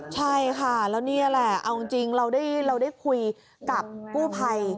ใช่ค่ะแล้วนี่แหละเอาจริงเราได้คุยกับกู้ภัย